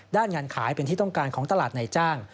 งานขายเป็นที่ต้องการของตลาดในจ้าง